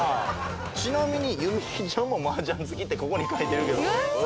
ちなみに弓木ちゃんもマージャン好きってここに書いてるけど。